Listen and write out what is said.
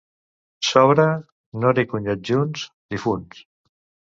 Sobra, nora i cunyats junts, difunts.